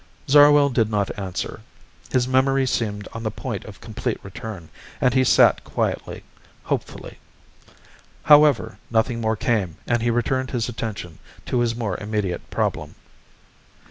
Zarwell did not answer. His memory seemed on the point of complete return, and he sat quietly, hopefully. However, nothing more came and he returned his attention to his more immediate problem.